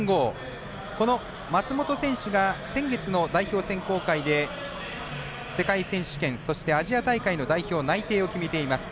この松元選手が先月の代表選考会で世界選手権、そしてアジア大会の代表内定を決めています。